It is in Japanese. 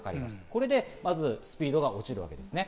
これでまずスピードが落ちるんですね。